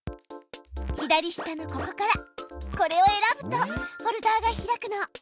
左下のここからこれを選ぶとフォルダが開くの。